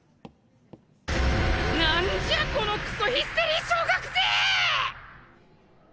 なんじゃこのクソヒステリー小学生！